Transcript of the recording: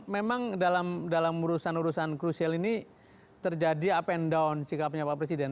memang dalam urusan urusan krusial ini terjadi up and down sikapnya pak presiden